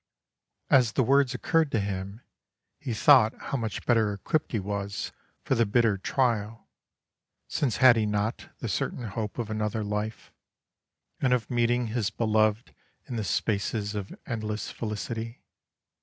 As the words occurred to him he thought how much better equipped he was for the bitter trial, since had he not the certain hope of another life, and of meeting his beloved in the spaces of endless felicity?